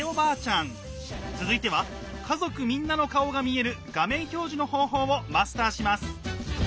続いては家族みんなの顔が見える画面表示の方法をマスターします。